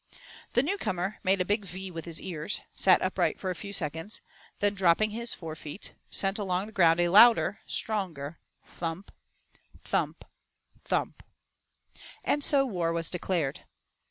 The new comer made a big V with his ears, sat upright for a few seconds, then, dropping on his fore feet, sent along the ground a louder, stronger, 'Thump thump thump.' And so war was declared.